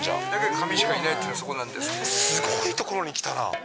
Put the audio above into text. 神しかいないというのはそこすごい所に来たな。